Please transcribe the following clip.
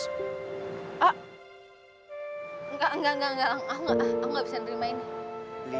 enggak enggak enggak aku nggak bisa nerima ini